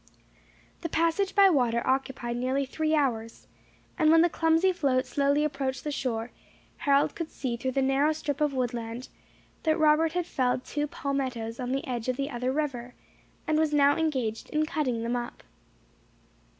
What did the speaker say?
The passage by water occupied nearly three hours, and when the clumsy float slowly approached the shore, Harold could see through the narrow strip of woodland, that Robert had felled two palmettoes on the edge of the other river, and was now engaged in cutting them up.